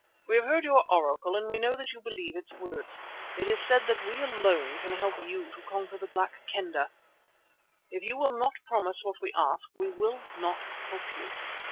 "We have heard your Oracle and we know that you believe its words. It is said that we alone can help you to conquer the Black Kendah. If you will not promise what we ask, we will not help you.